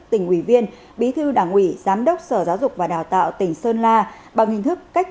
tỉnh ủy viên bí thư đảng ủy giám đốc sở giáo dục và đào tạo tỉnh sơn la bằng hình thức cách